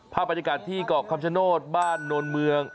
ภาพบรรยากาศที่เกาะคำชโนธบ้านโนนเมือง